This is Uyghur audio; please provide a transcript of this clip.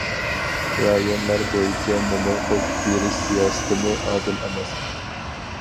رايونلار بويىچە نومۇر قوشۇپ بېرىش سىياسىتىمۇ« ئادىل ئەمەس».